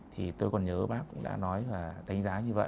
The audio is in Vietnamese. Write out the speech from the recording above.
thì tôi còn nhớ bác cũng đã nói và đánh giá như vậy